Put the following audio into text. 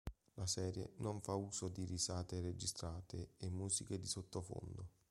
La serie non fa uso di risate registrate e musiche di sottofondo.